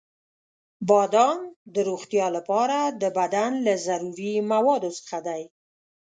• بادام د روغتیا لپاره د بدن له ضروري موادو څخه دی.